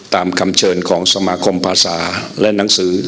ตามคำเชิญของสมาคมภาษาและหนังสือ